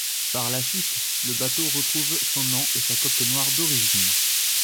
Par la suite, le bateau retrouve son nom et sa coque noire d'origine.